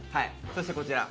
そしてこちら。